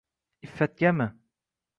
Iffatgami?